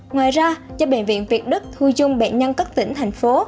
ngoài ra cho bệnh viện việt đức thu dung bệnh nhân các tỉnh thành phố